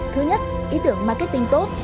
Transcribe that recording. thứ nhất ý tưởng marketing tốt